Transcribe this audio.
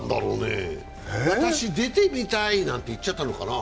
私、出てみたいなんて言っちゃったのかな。